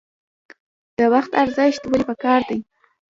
د وخت ارزښت ولې پکار دی؟